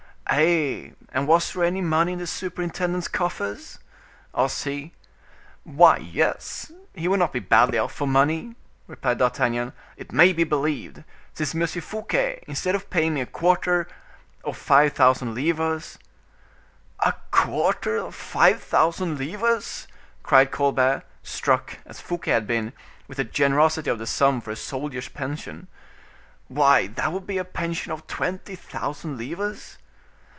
"Eh! and was there any money in the superintendent's coffers?" asked he. "Why, yes, he could not be badly off for money," replied D'Artagnan—"it may be believed, since M. Fouquet, instead of paying me a quarter or five thousand livres—" "A quarter or five thousand livres!" cried Colbert, struck, as Fouquet had been, with the generosity of the sum for a soldier's pension, "why, that would be a pension of twenty thousand livres?"